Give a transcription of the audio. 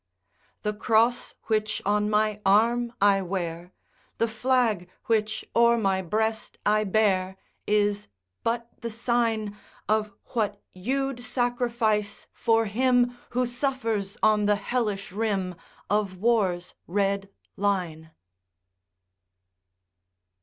The cross which on my arm I wear, The flag which o'er my breast I bear, Is but the sign Of what you 'd sacrifice for him Who suffers on the hellish rim Of war's red line.